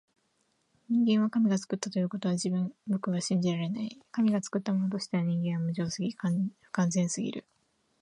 人間は神が創ったということは僕は信じられない。神が創ったものとしては人間は無情すぎ、不完全すぎる。しかし自然が生んだとしたら、あまりに傑作すぎるように思えるのだ。